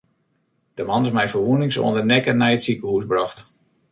De man is mei ferwûnings oan de nekke nei it sikehûs brocht.